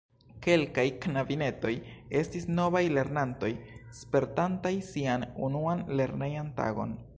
Kelkaj knabinetoj estis novaj lernantoj, spertantaj sian unuan lernejan tagon.